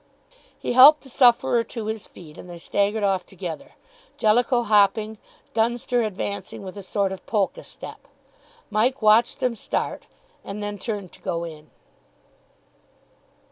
He helped the sufferer to his feet and they staggered off together, Jellicoe hopping, Dunster advancing with a sort of polka step. Mike watched them start and then turned to go in.